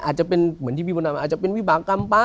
อาจจะเป็นเหมือนที่พี่มดดำอาจจะเป็นวิบากรรมป๊ะ